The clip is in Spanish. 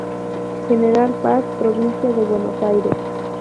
General Paz, provincia de Buenos Aires.